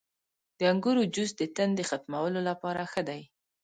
• د انګورو جوس د تندې ختمولو لپاره ښه دی.